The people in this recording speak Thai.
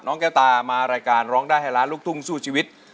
แก้วตามารายการร้องได้ให้ล้านลูกทุ่งสู้ชีวิต